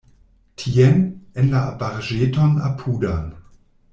Tien, en la arbaĵeton apudan.